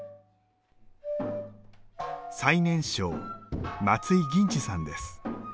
最年少、松井銀司さんです。